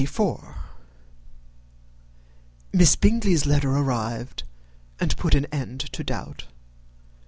Miss Bingley's letter arrived, and put an end to doubt.